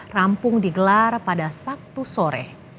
rampung digelar pada sabtu sore